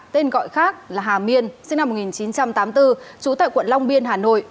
tên gọi khác là hà miên sinh năm một nghìn chín trăm tám mươi bốn trú tại quận long biên hà nội